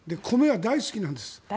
米は大好きなんです。